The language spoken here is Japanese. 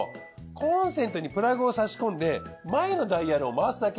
コンセントにプラグを差し込んで前のダイヤルを回すだけ。